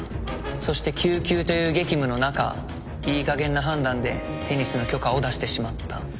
そして救急という激務の中いいかげんな判断でテニスの許可を出してしまった。